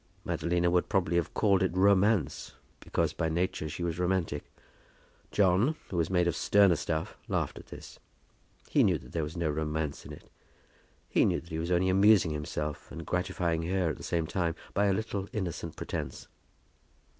Madalina would probably have called it romance, because by nature she was romantic. John, who was made of sterner stuff, laughed at this. He knew that there was no romance in it. He knew that he was only amusing himself, and gratifying her at the same time, by a little innocent pretence.